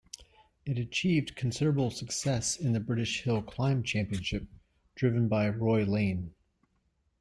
It achieved considerable success in the British Hill Climb Championship, driven by Roy Lane.